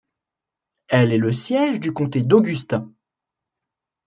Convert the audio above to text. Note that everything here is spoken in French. Elle est le siège du comté d'Augusta.